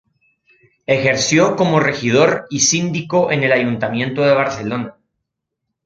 Ejerció como regidor y síndico en el Ayuntamiento de Barcelona.